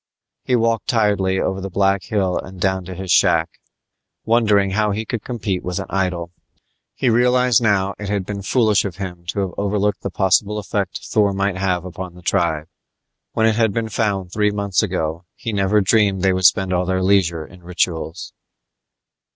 He walked tiredly over the black hill and down to his shack, wondering how he could compete with an idol. He realized now, it had been foolish of him to have overlooked the possible effect Thor might have upon the tribe. When it had been found three months ago, he never dreamed they would spend all their leisure in rituals.